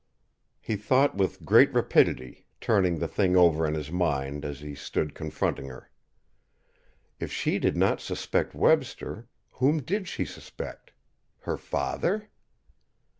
He thought with great rapidity, turning the thing over in his mind as he stood confronting her. If she did not suspect Webster, whom did she suspect? Her father?